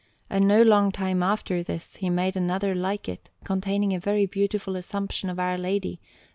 And no long time after this he made another like it, containing a very beautiful Assumption of Our Lady, S.